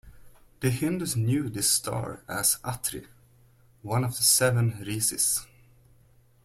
The Hindus knew this star as "Atri", one of the Seven Rishis.